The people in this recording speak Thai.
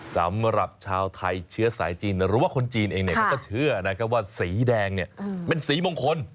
สำหรับชาวไทยเชื้อสายจีนหรือว่าคนจีนเองก็เชื่อว่าสีแดงเป็นสีมงคล